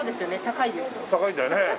高いんだよね。